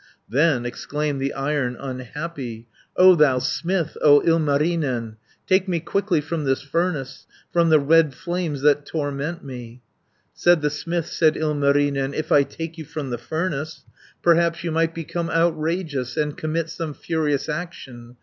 "Then exclaimed the Iron unhappy, 'O thou smith, O Ilmarinen, Take me quickly from this furnace, From the red flames that torment me.' 170 "Said the smith, said Ilmarinen, 'If I take you from the furnace, Perhaps you might become outrageous, And commit some furious action.